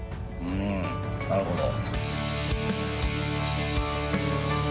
うんなるほど。